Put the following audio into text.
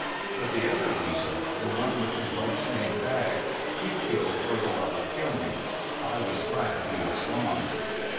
But the other weasel, the one with the blood stained bag, he killed for the love of killing. I was glad he was gone.